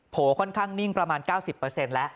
ค่อนข้างนิ่งประมาณ๙๐แล้ว